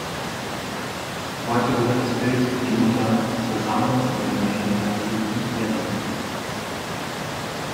Heute gehört das Bild "Die Mutter" zur Sammlung der Gemäldegalerie in Berlin.